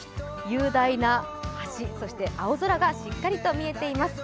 雄大な橋、そして青空がしっかりと見えています。